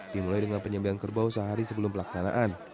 dimulai dengan penyembean kerbau sehari sebelum pelaksanaan